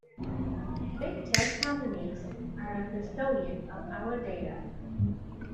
Big tech companies are a custodian of our data.